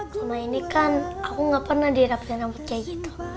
karena ini kan aku gak pernah dirapikan rambut kayak gitu